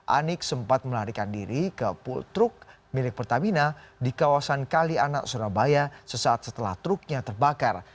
anik sempat melarikan diri ke pul truk milik pertamina di kawasan kalianak surabaya sesaat setelah truknya terbakar